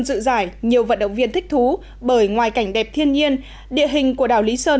dự giải nhiều vận động viên thích thú bởi ngoài cảnh đẹp thiên nhiên địa hình của đảo lý sơn